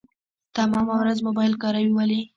تمامه ورځ موبايل کاروي ولي .